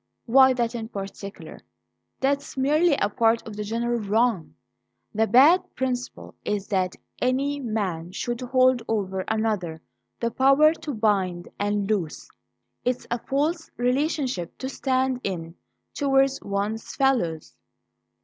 "Why that in particular? That's merely a part of the general wrong. The bad principle is that any man should hold over another the power to bind and loose. It's a false relationship to stand in towards one's fellows."